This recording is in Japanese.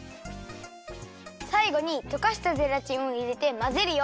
さいごにとかしたゼラチンをいれてまぜるよ。